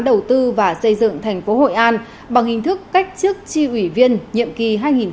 đầu tư và xây dựng thành phố hội an bằng hình thức cách chức tri ủy viên nhiệm kỳ hai nghìn hai mươi hai nghìn hai mươi năm